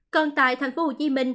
còn tại tp hcm